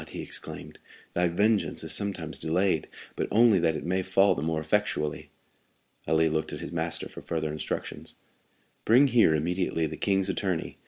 he exclaimed, "thy vengeance is sometimes delayed, but only that it may fall the more effectually." Ali looked at his master for further instructions. "Bring here immediately the king's attorney, M.